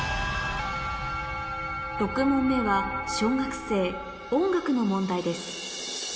６問目は小学生の問題です